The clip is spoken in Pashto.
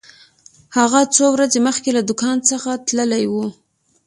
هغه څو ورځې مخکې له دکان څخه تللی و.